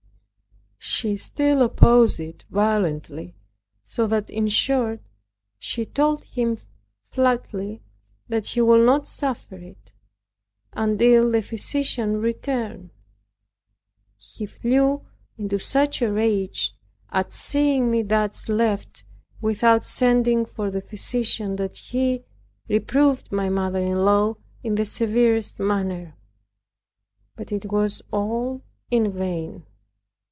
She still opposed it violently so that in short she told him flatly that she would not suffer it, until the physician returned. He flew into such a rage at seeing me thus left without sending for the physician that he reproved my mother in law in the severest manner. But it was all in vain.